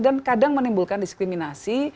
dan kadang menimbulkan diskriminasi